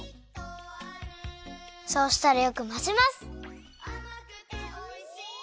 そうしたらよくまぜます。